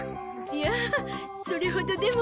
いやあそれほどでも。